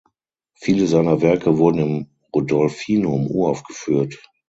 Viele seiner Werke wurden im Rudolfinum uraufgeführt.